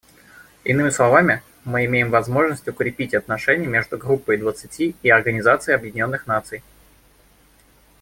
Иными словами, мы имеем возможность укрепить отношения между Группой двадцати и Организацией Объединенных Наций.